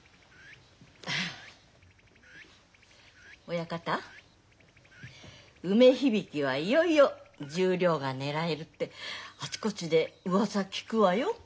親方梅響はいよいよ十両が狙えるってあちこちでうわさ聞くわよ。